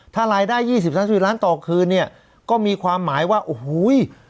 ถ้ารายได้๒๐๓๐ล้านต่อคืนเนี่ยก็มีความหมายว่าโอ้โห